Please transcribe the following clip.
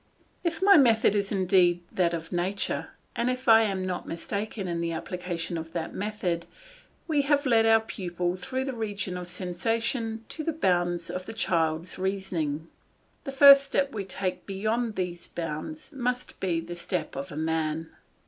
If my method is indeed that of nature, and if I am not mistaken in the application of that method, we have led our pupil through the region of sensation to the bounds of the child's reasoning; the first step we take beyond these bounds must be the step of a man.